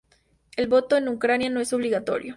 El voto en Ucrania no es obligatorio.